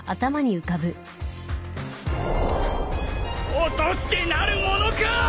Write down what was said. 落としてなるものか！